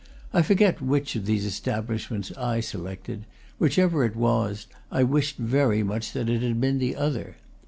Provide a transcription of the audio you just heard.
I forget which of these establishments I selected; whichever it was, I wished very much that, it had been the other.